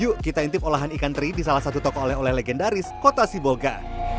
yuk kita intip olahan ikan teri di salah satu toko oleh oleh legendaris kota sibolga